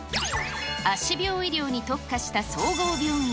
足病医療に特化した総合病院。